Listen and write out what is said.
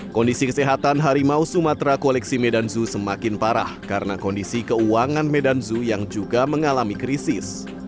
kondisi kesehatan harimau sumatera koleksi medan zoo semakin parah karena kondisi keuangan medan zoo yang juga mengalami krisis